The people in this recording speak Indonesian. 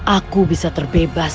aku bisa terbebas